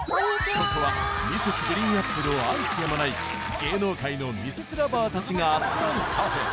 ここは Ｍｒｓ．ＧＲＥＥＮＡＰＰＬＥ を愛してやまない芸能界のミセス ＬＯＶＥＲ たちが集まるカフェ